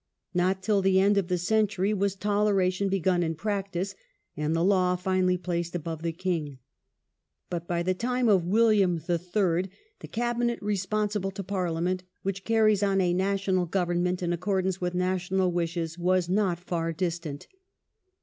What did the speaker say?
Not till the end of the century was toleration begun in practice, and the law finally placed above the king. But by the time of Wil liam III., the "Cabinet responsible to Parliament, which carries on a national government I'n accordance with na tional wishes, was not far distant.